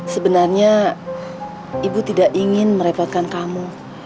sebenarnya ibu tidak ingin merepotkan kamu